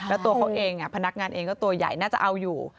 แล้วตัวเขาเองพนักงานเองก็ตัวใหญ่น่าจะเอาอยู่